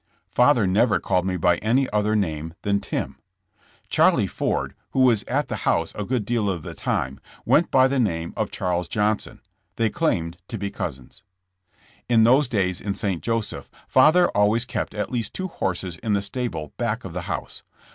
'' Father never called me by any other name than ''Tim." Charlie Ford, who was at the house a good deal of the time, went by the name of Charles Johnson. They claimed to be cousins. In those days in St. Joseph, father always kept at least two horses in the stable back of the house.